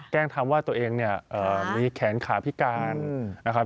แกล้งทำว่าตัวเองมีแขนขาพิการนะครับ